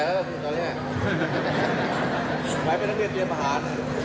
ไว้ไปทั้งเดียวเตรียมอาหาร